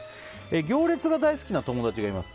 行列が大好きな友達がいます。